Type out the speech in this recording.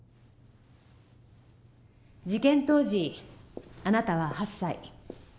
事件当時あなたは８歳。